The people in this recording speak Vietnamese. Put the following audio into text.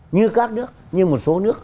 như các nước như một số nước